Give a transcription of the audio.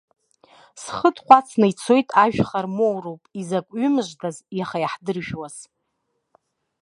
Схы тҟәацны ицоит, ажәха рмоуроуп, изакә ҩы мыждаз иаха иаҳдыржәуаз!